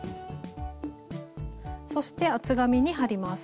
そして厚紙に貼ります。